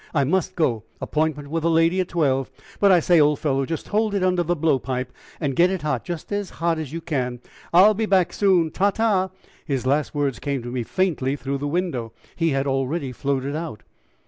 I must go appointment with a lady at twelve. But I say, old fellow, just hold it under the blowpipe and get it hot just as hot as you can; I will be back soon ta ta." His last words came to me faintly through the window he had already floated out.